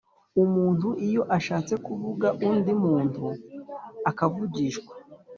Umuntu iyo ashatse kuvuga undi muntu akavugishwa